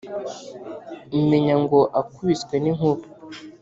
umenya ngo akubiswe n'inkuba.